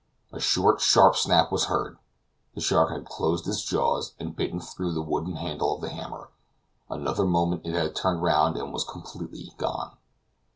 A short sharp snap was heard. The shark had closed its jaws, and bitten through the wooden handle of the hammer. Another moment and it had turned round and was completely gone.